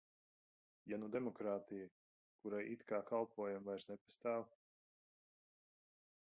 Ja nu demokrātija, kurai it kā kalpojam, vairs nepastāv?